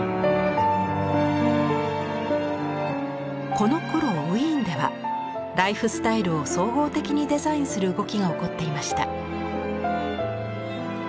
このころウィーンではライフスタイルを総合的にデザインする動きが起こっていました。